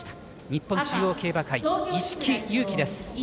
日本中央競馬会、一色勇輝です。